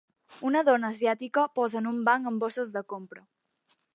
Una dona asiàtica posa en un banc amb bosses de compra.